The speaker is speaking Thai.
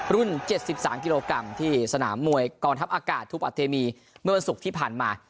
๗๓กิโลกรัมที่สนามมวยกองทัพอากาศทุบอัธเทมีเมื่อวันศุกร์ที่ผ่านมา